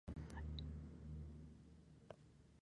Ese seria su último partido en este campeonato.